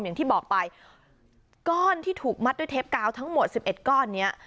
อย่างที่บอกไปก้อนที่ถูกมัดด้วยเทปกาวทั้งหมด๑๑ก้อนนี้